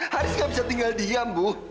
haris nggak bisa tinggal diam bu